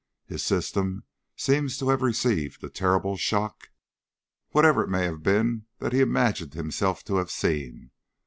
His system seems to have received a terrible shock, whatever it may have been that he imagined himself to have seen.